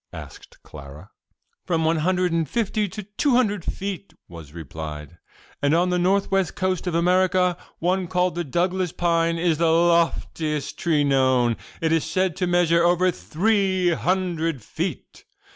asked Clara. "From one hundred and fifty to two hundred feet," was replied, "and on the north west coast of America one called the 'Douglas's pine' is the loftiest tree known; it is said to measure over three hundred feet.